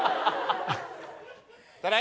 ただいま。